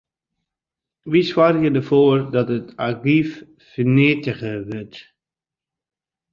Wy soargje derfoar dat it argyf ferneatige wurdt.